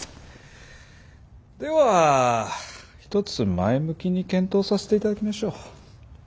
ではひとつ前向きに検討させていただきましょう。